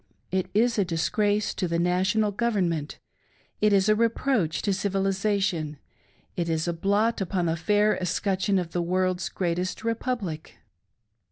It is a disgrace to the National Government ; it is a reproach to Civilisation ; it is a blot upon the fair escutcheon of the World's Greatest Republic